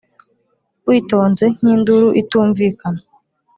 witonze nk'induru itumvikana,